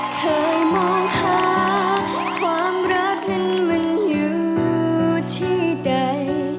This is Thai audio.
เคยมองหาความรักนั้นมันอยู่ที่ใด